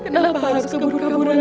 kenapa harus kembur kemburan